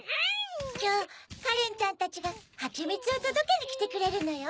きょうカレンちゃんたちがハチミツをとどけにきてくれるのよ。